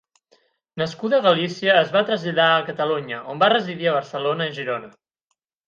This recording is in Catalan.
Nascuda a Galícia, es va traslladar a Catalunya, on va residir a Barcelona i Girona.